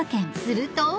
すると］